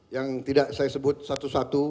yang tidak saya sebut satu satu